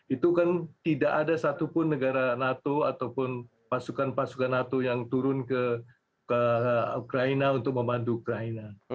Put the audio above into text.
itu kan tidak ada satupun negara nato ataupun pasukan pasukan nato yang turun ke ukraina untuk memandu ukraina